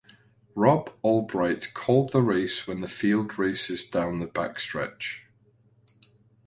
Rob Albright called the race when the field races down the backstretch.